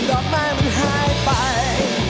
ดอกไม้มันหายไป